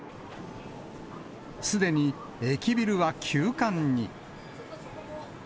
すでに駅ビルは休館に。